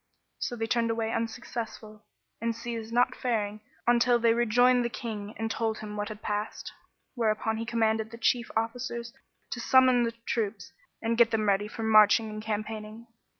So they turned away unsuccessful and ceased not faring on till they rejoined the King and told him what had passed; whereupon he commanded the chief officers to summon the troops and get them ready for marching and campaigning.